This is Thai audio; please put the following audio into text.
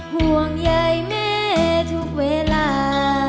ห่วงใยแม่ทุกเวลา